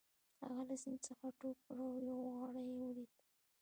هغه له سیند څخه ټوپ کړ او یو غار یې ولید